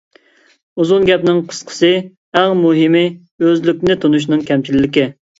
ئۇزۇن گەپنىڭ قىسقىسى، ئەڭ مۇھىمى ئۆزلۈكنى تونۇشنىڭ كەمچىللىكى.